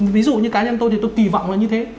ví dụ như cá nhân tôi thì tôi kỳ vọng là như thế